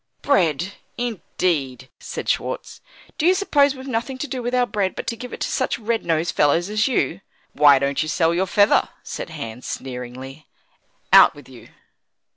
"Bread, indeed!" said Schwartz; "do you suppose we've nothing to do with our bread but to give it to such red nosed fellows as you?" "Why don't you sell your feather?" said Hans, sneeringly. "Out with you!"